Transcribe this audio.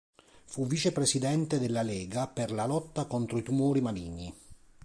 Fu vicepresidente della Lega per la lotta contro i tumori maligni.